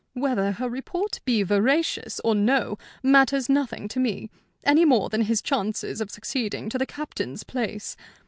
Whether her report be veracious or no matters nothing to me, any more than his chances of succeeding to the Captain's place.